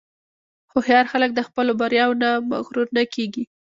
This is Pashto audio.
هوښیار خلک د خپلو بریاوو نه مغرور نه کېږي.